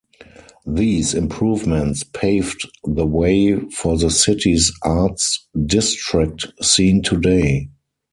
These improvements paved the way for the city's arts district seen today.